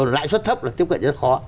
lại suất thấp là tiếp cận rất khó